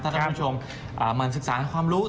ถ้าท่านผู้ชมมาศึกษาความรู้